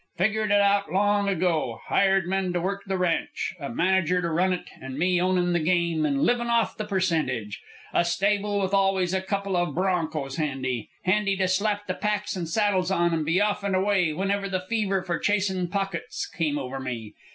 Figured it out long; ago, hired men to work the ranch, a manager to run it, and me ownin' the game and livin' off the percentage. A stable with always a couple of bronchos handy; handy to slap the packs and saddles on and be off and away whenever the fever for chasin' pockets came over me.